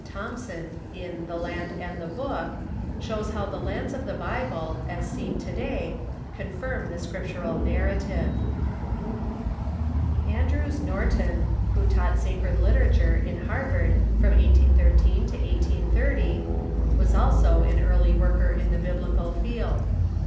Thom son, in "The Land and the Book," shows how the lands of the Bible, as seen to day, confirm the Scriptural narrative. Andrews Norton, who taught sacred literature in Harvard from 1813 to 1830, was also an early worker in the Biblical field.